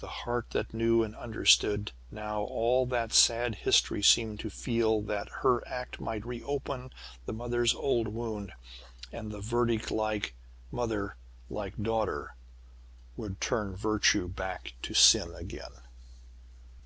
The heart that knew and understood now all that sad history seemed to feel that her act might re open the mother's old wound; that the verdict 'like mother, like daughter' would turn virtue back to sin again.